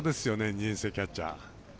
２年生キャッチャー。